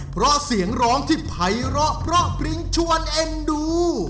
เพราะเสียงร้องที่ภัยร้อเพราะปริ้งชวนเอ็นดู